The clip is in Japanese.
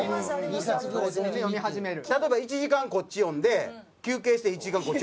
例えば１時間こっち読んで休憩して１時間こっち読むとか？